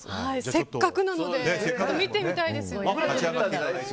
せっかくなので見てみたいですよね。